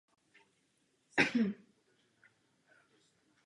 Chápu tuto zdrženlivost, ale pouze ve stávající hospodářské situaci.